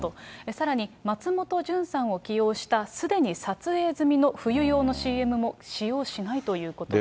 さらに松本潤さんを起用した、すでに撮影済みの冬用のＣＭも使用しないということです。